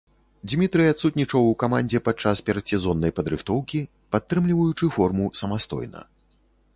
Дзмітрый адсутнічаў у камандзе падчас перадсезоннай падрыхтоўкі, падтрымліваючы форму самастойна.